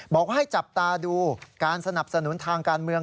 บอกว่าให้จับตาดูการสนับสนุนทางการเมือง